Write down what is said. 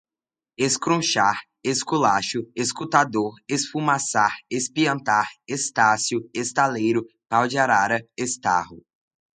escrunchar, esculacho, escutador, esfumaçar, espiantar, estácio, estaleiro, pau de arara, estarro